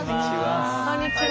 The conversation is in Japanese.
こんにちは。